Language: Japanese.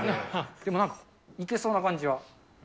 でもなんか、いけそうな感じは。